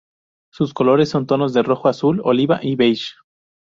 Sus colores son tonos de rojo, azul, oliva y beige.